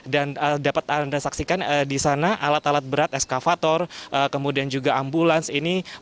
dan dapat anda saksikan di sana alat alat berat eskavator kemudian juga ambulans ini